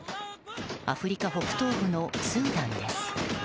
アフリカ北東部のスーダンです。